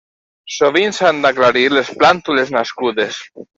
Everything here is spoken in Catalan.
Sovint s'han d'aclarir les plàntules nascudes.